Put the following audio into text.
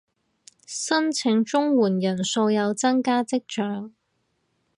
申領綜援人數有增加跡象